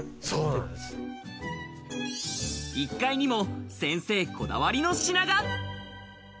１階にも先生こだわりの品が。